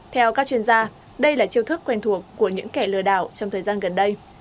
theo các chuyên gia đây là chiêu thức quen thuộc của những kẻ lừa đảo trong thời gian gần đây